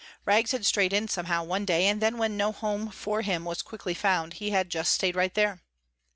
Rags had strayed in somehow one day and then when no home for him was quickly found, he had just stayed right there.